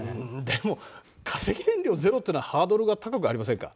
でも化石燃料０ってのはハードルが高くありませんか？